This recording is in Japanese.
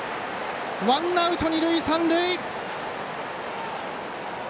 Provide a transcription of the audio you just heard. ワンアウト、二塁三塁。